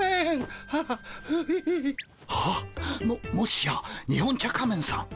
はっ！ももしや日本茶仮面さん